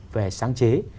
về sáng chế